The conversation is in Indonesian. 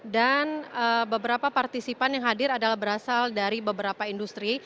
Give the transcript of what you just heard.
dan beberapa partisipan yang hadir adalah berasal dari beberapa industri